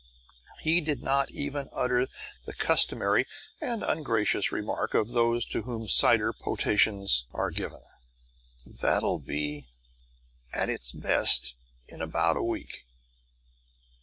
He did not even utter the customary and ungracious remark of those to whom cider potations are given: "That'll be at its best in about a week."